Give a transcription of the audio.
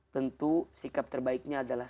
tentu sikap terbaiknya adalah